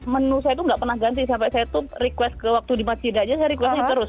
menu saya itu nggak pernah ganti sampai saya tuh request ke waktu di masjid aja saya requestnya terus